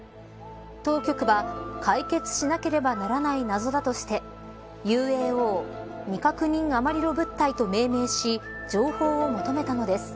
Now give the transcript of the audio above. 当局は、解決しなければならない謎だとしてＵＡＯ未確認アマリロ物体と命名し情報を求めたのです。